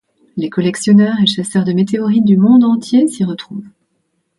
Les collectionneurs et chasseurs de météorites du monde entier s’y retrouvent.